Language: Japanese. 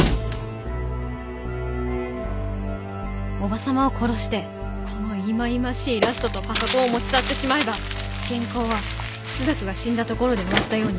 叔母様を殺してこのいまいましいラストとパソコンを持ち去ってしまえば原稿は朱雀が死んだところで終わったように見える。